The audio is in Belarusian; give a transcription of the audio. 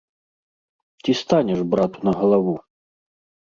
Ці станеш брату на галаву?